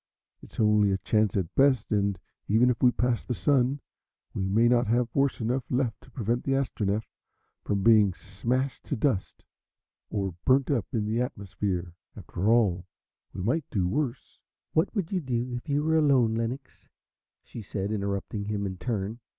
It's only a chance at best, and even if we pass the Sun we may not have force enough left to prevent the Astronef from being smashed to dust or burnt up in the atmosphere. After all we might do worse " "What would you do if you were alone, Lenox?" she said, interrupting him in turn.